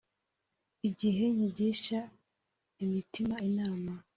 Igihe nkigisha imitima inama